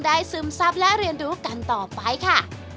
ได้ซึมทรัพย์และเรียนรู้กันต่อไปค่ะ